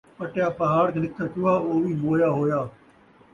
پٹیا پہاڑ تے نکھتا چوہا او وی مویا ہویا